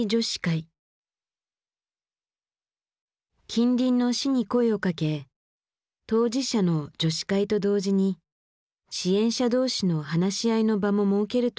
近隣の市に声をかけ当事者の女子会と同時に支援者同士の話し合いの場も設けるという。